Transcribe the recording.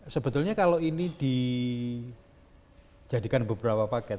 sebetulnya kalau ini dijadikan beberapa paket